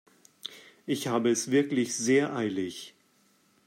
Ich habe es wirklich sehr eilig.